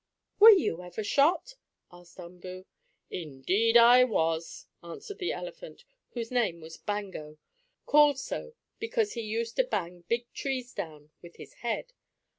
"Were you ever shot?" asked Umboo. "Indeed I was," answered the elephant, whose name was Bango, called so because he used to bang big trees down with his head.